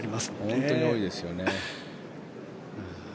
本当に多いですよね。